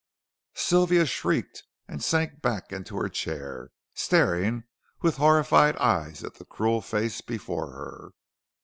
Sylvia shrieked, and sank back in her chair, staring with horrified eyes at the cruel face before her.